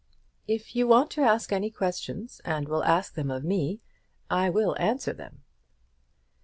"If you want to ask any questions, and will ask them of me, I will answer them."